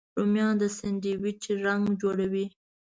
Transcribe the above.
رومیان د ساندویچ رنګ جوړوي